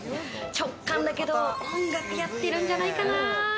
直感だけれども、音楽やってるんじゃないかな。